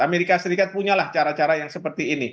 amerika serikat punyalah cara cara yang seperti ini